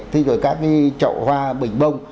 thì rồi các cái chậu hoa bình bông